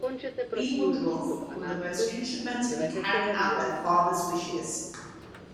B. Woodruff, were most instrumental in carrying out their father's wishes.